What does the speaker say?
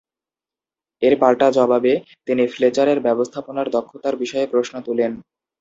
এর পাল্টা জবাবে তিনি ফ্লেচারের ব্যবস্থাপনার দক্ষতার বিষয়ে প্রশ্ন তুলেন।